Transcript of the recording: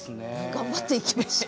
頑張っていきましょう。